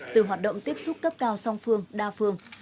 từ hoạt động tiếp xúc cấp cao song phương đa phương